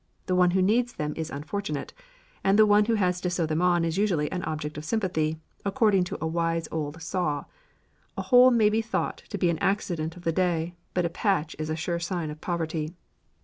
The one who needs them is unfortunate, and the one who has to sew them on is usually an object of sympathy, according to a wise old saw: "A hole may be thought to be an accident of the day, but a patch is a sure sign of poverty."